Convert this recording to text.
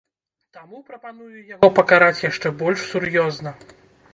Таму прапаную яго пакараць яшчэ больш сур'ёзна.